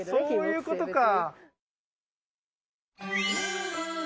そういうことか。